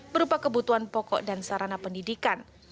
berupa kebutuhan pokok dan sarana pendidikan